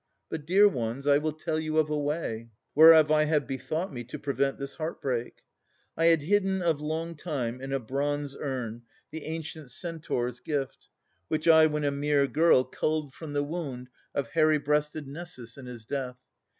But, dear ones, I will tell you of a way, Whereof I have bethought me, to prevent This heart break. I had hidden of long time In a bronze urn the ancient Centaur's gift, Which I, when a mere girl, culled from the wound Of hairy breasted Nessus in his death.